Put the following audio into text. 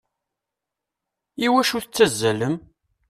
Iwacu tettazzalem?